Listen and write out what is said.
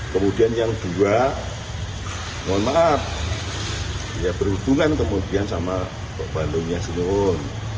kemudian yang dua mohon maaf ya berhubungan kemudian sama pak bandungnya senun